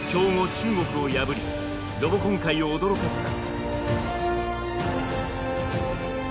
中国を破りロボコン界を驚かせた。